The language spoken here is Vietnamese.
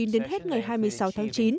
đến hết ngày hai mươi sáu tháng chín